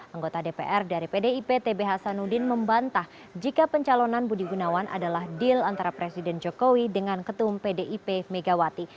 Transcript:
anggota dpr dari pdip tb hasanuddin membantah jika pencalonan budi gunawan adalah deal antara presiden jokowi dengan ketum pdip megawati